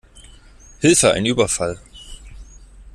Hilfe ein Überfall!